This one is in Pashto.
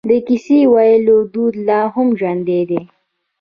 د کیسه ویلو دود لا هم ژوندی دی.